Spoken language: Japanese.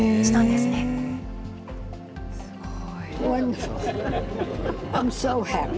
すごい。